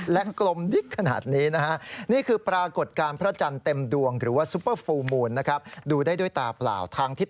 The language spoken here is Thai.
และกลมดิ๊กขนาดนี้นะฮะ